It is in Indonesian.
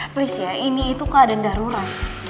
please ya ini itu keadaan darurat